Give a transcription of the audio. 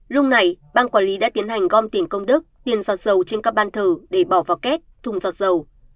lúc này ban quản lý đã tiến hành gom tiền công đức tiền giọt dầu trên các ban thờ để bỏ vào két thùng giọt dầu